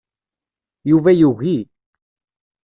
Yuba yugi.